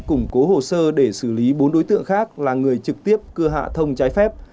cơ quan điều tra để xử lý bốn đối tượng khác là người trực tiếp cưa hạ thông trái phép